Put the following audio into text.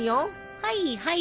はいはい。